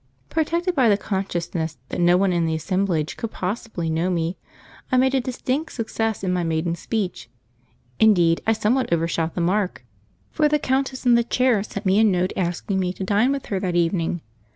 Protected by the consciousness that no one in the assemblage could possibly know me, I made a distinct success in my maiden speech; indeed, I somewhat overshot the mark, for the Countess in the chair sent me a note asking me to dine with her that evening.